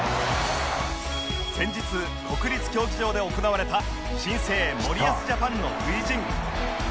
先日国立競技場で行われた新生森保ジャパンの初陣